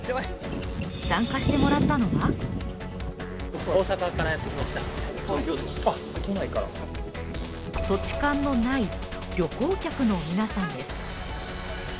参加してもらったのは土地勘のない旅行客の皆さんです。